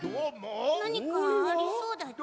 なにかありそうだち？